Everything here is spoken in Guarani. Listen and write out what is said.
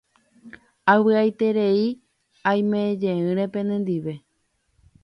Avy'aiterei aimejeýre penendive.